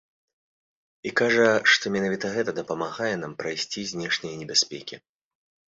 І кажа, што менавіта гэта дапамагае нам прайсці знешнія небяспекі.